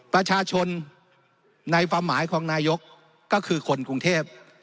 ประชาชนในความหมายของนายกก็คือคนกรุงเทพ